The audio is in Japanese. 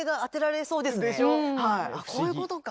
こういうことか。